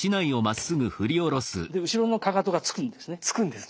で後ろのかかとがつくんですね。